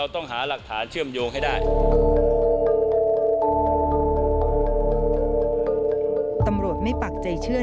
ตำรวจไม่ปักใจเชื่อ